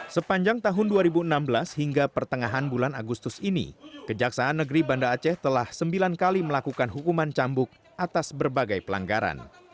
sepanjang tahun dua ribu enam belas hingga pertengahan bulan agustus ini kejaksaan negeri banda aceh telah sembilan kali melakukan hukuman cambuk atas berbagai pelanggaran